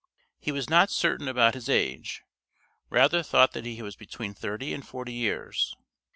He was not certain about his age, rather thought that he was between thirty and forty years.